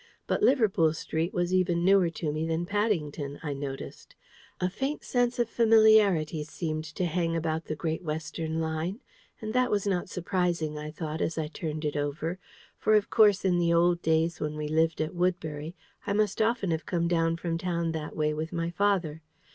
But Liverpool Street was even newer to me than Paddington, I noticed. A faint sense of familiarity seemed to hang about the Great Western line. And that was not surprising, I thought, as I turned it over; for, of course, in the old days, when we lived at Woodbury, I must often have come down from town that way with my father.